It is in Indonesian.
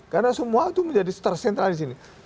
karena semua itu menjadi ter sentral disini